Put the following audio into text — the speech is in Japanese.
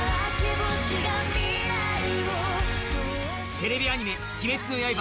テレビアニメ「鬼滅の刃」